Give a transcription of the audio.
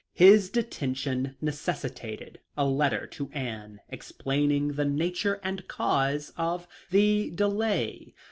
His detention necessitated a letter to Anne, explaining the nature and cause of the delay.